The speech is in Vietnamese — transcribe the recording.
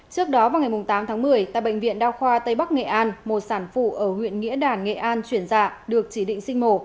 trước đó vào ngày tám tháng một mươi tại bệnh viện đa khoa tây bắc nghệ an một sản phụ ở huyện nghĩa đàn nghệ an chuyển dạ được chỉ định sinh mổ